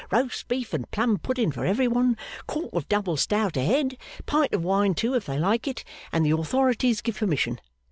Roast beef and plum pudding for every one. Quart of double stout a head. Pint of wine too, if they like it, and the authorities give permission.